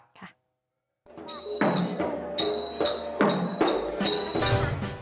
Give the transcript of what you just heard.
ค่ะ